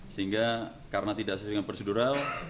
sehingga karena tidak sesuai dengan prosedural